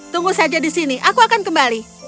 tunggu saja di sini aku akan kembali